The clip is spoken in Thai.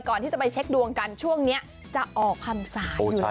ก่อนที่จะไปเช็คดวงกันช่วงนี้จะออกพรรษาอยู่แล้ว